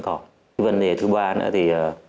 cái vấn đề thứ ba nữa thì